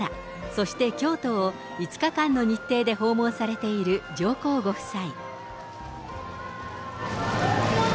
そして京都を５日間の日程で訪問されている上皇ご夫妻。